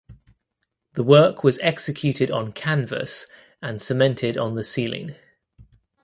The work was executed on canvas and cemented on the ceiling.